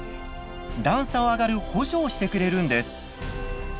段差を上がる補助をしてくれるんです。